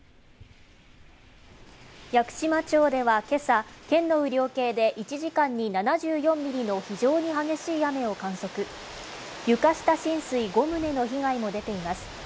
屋久島町ではけさ、県の雨量計で１時間に７４ミリの非常に激しい雨を観測床下浸水５棟の被害も出ています